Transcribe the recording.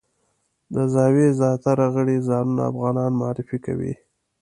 د زاویې زیاتره غړي ځانونه افغانان معرفي کوي.